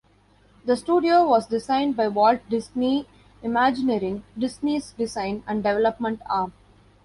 The studio was designed by Walt Disney Imagineering, Disney's design and development arm.